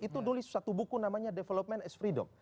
itu nulis satu buku namanya development is freedom